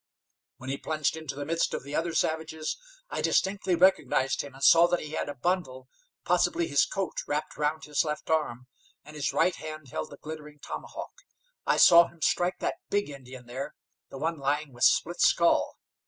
When he plunged into the midst of the other savages I distinctly recognized him, and saw that he had a bundle, possibly his coat, wrapped round his left arm, and his right hand held the glittering tomahawk. I saw him strike that big Indian there, the one lying with split skull.